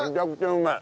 うまい。